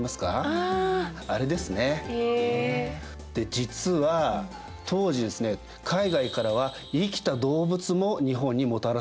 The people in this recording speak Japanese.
実は当時ですね海外からは生きた動物も日本にもたらされていました。